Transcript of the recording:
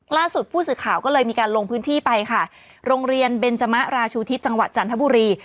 ล่าสุดผู้สื่อข่าวก็เลยมีการลงพื้นที่ไปค่ะโรงเรียนเบนจมะราชูทิศจังหวัดจันทบุรี